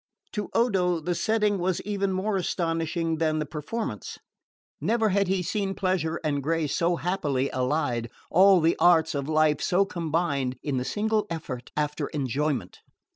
To Odo the setting was even more astonishing than the performance. Never had he seen pleasure and grace so happily allied, all the arts of life so combined in the single effort after enjoyment.